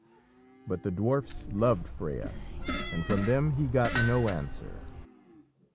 But the dwarfs loved Freya, and from them he got no answer.